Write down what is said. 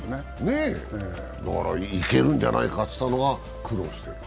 だからいけるんじゃないかって言ったのが苦労してる。